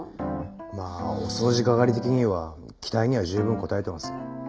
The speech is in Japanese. まあお掃除係的には期待には十分応えてます。